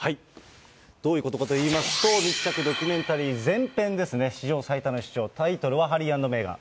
どういうことかといいますと、密着ドキュメンタリー前編ですね、史上最多の視聴、タイトルはハリー＆メーガン。